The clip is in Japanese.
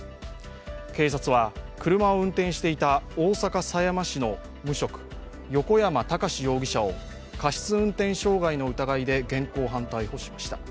警察は車を運転していた大阪狭山市の無職・横山孝容疑者を過失運転傷害の疑いで現行犯逮捕しました。